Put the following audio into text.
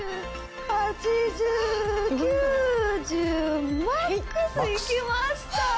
８０９０マックスいきました。